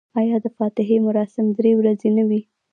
آیا د فاتحې مراسم درې ورځې نه وي؟